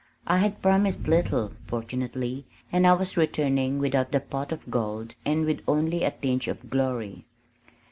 I had promised little, fortunately and I was returning, without the pot of gold and with only a tinge of glory.